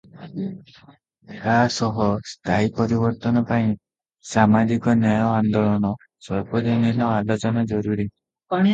ଏହା ସହ ସ୍ଥାୟୀ ପରିବର୍ତ୍ତନ ପାଇଁ ସାମାଜିକ ନ୍ୟାୟ ଆନ୍ଦୋଳନ, ସାର୍ବଜନୀନ ଆଲୋଚନା ଜରୁରୀ ।